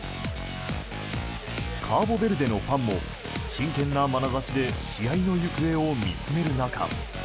カーボベルデのファンも真剣なまなざしで試合の行方を見つめる中。